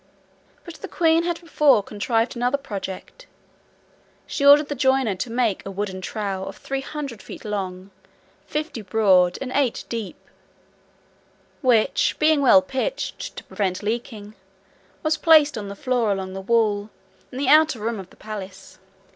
But the queen had before contrived another project. She ordered the joiner to make a wooden trough of three hundred feet long, fifty broad, and eight deep; which, being well pitched, to prevent leaking, was placed on the floor, along the wall, in an outer room of the palace.